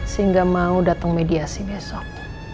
sehingga mau datang mediasi besok